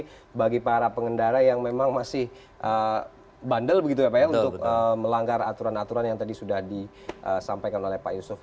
jadi bagi para pengendara yang memang masih bandel begitu ya pak ya untuk melanggar aturan aturan yang tadi sudah disampaikan oleh pak yusuf